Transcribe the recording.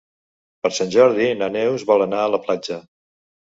Per Sant Jordi na Neus vol anar a la platja.